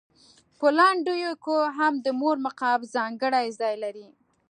په لنډیو کې هم د مور مقام ځانګړی ځای لري.